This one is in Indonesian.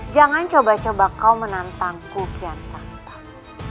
jangan coba coba kau menantangku kian santan